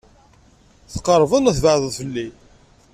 Tqeṛbeḍ neɣ tbeɛdeḍ fell-i?